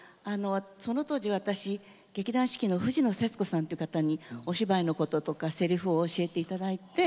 その当時私劇団四季の藤野節子さんという方にお芝居のこととかせりふを教えて頂いて。